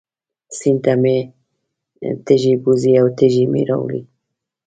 سیند ته مې تږی بوځي او تږی مې راولي.